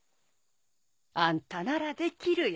あんたならできるよ。